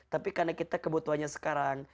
tapi karena kita kebutuhannya sekarang